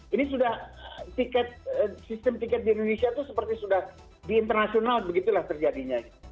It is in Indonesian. ini sudah sistem tiket di indonesia itu seperti sudah di internasional begitulah terjadinya